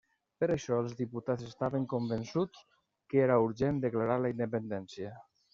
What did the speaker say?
Per això, els diputats estaven convençuts que era urgent declarar la Independència.